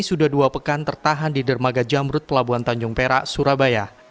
sudah dua pekan tertahan di dermaga jamrut pelabuhan tanjung perak surabaya